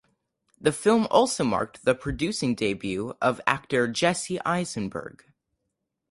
The film also marked the producing debut of actor Jesse Eisenberg.